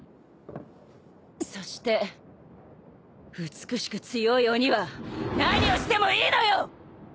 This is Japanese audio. そして美しく強い鬼は何をしてもいいのよ！